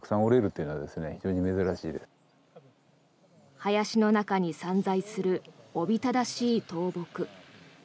林の中に散在するおびただしい倒木。